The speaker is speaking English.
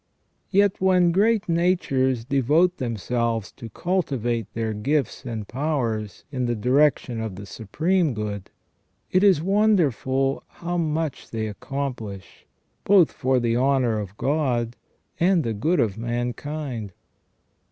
Yet when great natures devote themselves to cultivate their gifts and powers in the direction of the Supreme Good, it is wonderful how much they accomplish, both for the honour of God and the good of mankind.